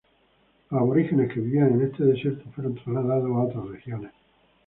Los aborígenes que vivían en este desierto fueron trasladados a otras regiones.